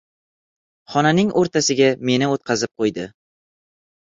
Xonaning o‘rtasiga meni o‘tqazib qo‘ydi.